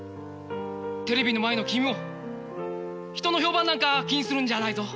テレビの前の君も人の評判なんか気にするんじゃないぞ。